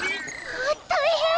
あったいへん！